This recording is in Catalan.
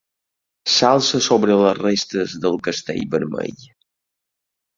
S'alça sobre les restes del Castell Vermell.